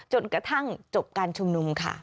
จนกระทั่งจบการชุมนุมค่ะ